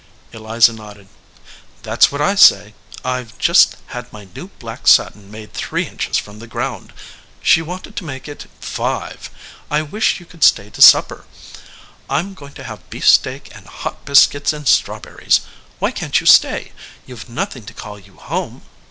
Eliza nodded. "That s what I say. I ve just had my new black satin made three inches from the ground. She wanted to make it five. I wish you could stay to supper. I m going to have beef steak and hot biscuits and strawberries. Why can t you stay? You ve nothing to call you home?"